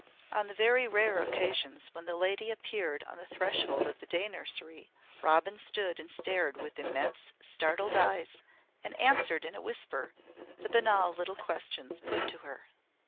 On the very rare occasions when the Lady appeared on the threshold of the day nursery, Robin stood and stared with immense startled eyes and answered in a whisper the banal little questions put to her.